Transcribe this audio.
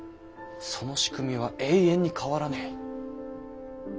その仕組みは永遠に変わらねぇ。